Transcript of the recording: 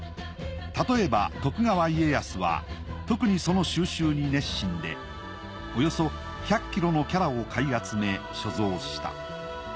たとえば徳川家康は特にその収集に熱心でおよそ１００ｋｇの伽羅を買い集め所蔵した。